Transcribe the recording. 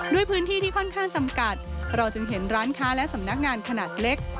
ด้วยพื้นที่ที่ค่อนข้างจำกัดเราจึงเห็นร้านค้าและสำนักงานขนาดเล็ก